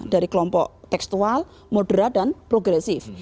dari kelompok tekstual moderat dan progresif